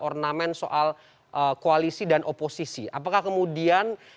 ornamen soal koalisi dan oposisi apakah kemudian